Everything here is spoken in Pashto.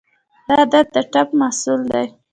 دا عادت د ټپ محصول دی.